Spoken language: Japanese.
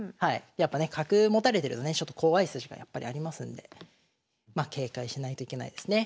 やっぱね角持たれてるとねちょっと怖い筋がやっぱりありますんでま警戒しないといけないですね。